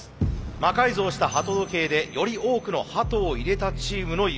魔改造した鳩時計でより多くの鳩を入れたチームの優勝です。